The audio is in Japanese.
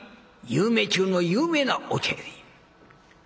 有名中の有名なお茶屋で」。